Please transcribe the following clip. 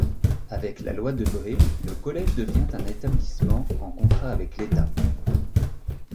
Avec la loi Debré, le collège devient un établissement en contrat avec l'État.